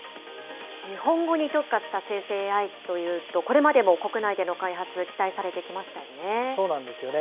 日本語に特化した生成ＡＩというと、これまでも国内での開発、そうなんですよね。